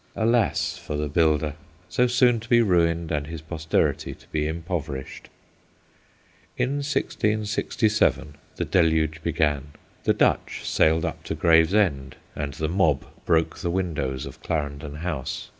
Alas for the builder, so soon to be ruined, and his posterity to be impoverished ! In 1667 the deluge began. The Dutcl* sailed up to Gravesend, and the mob broke the windows of Clarendon House.